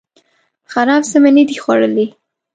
خراب څه می نه دي خوړلي